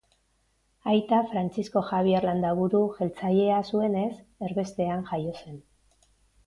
Aita Frantzisko Jabier Landaburu jeltzalea zuenez, erbestean jaio zen.